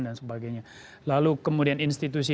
dan sebagainya lalu kemudian institusi